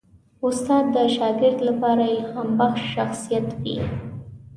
استاد د شاګرد لپاره الهامبخش شخصیت وي.